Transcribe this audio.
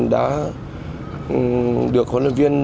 đã được huấn luyện viên